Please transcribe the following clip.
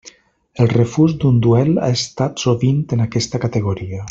El refús d'un duel ha estat sovint en aquesta categoria.